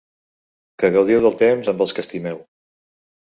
Que gaudiu del temps amb els que estimeu.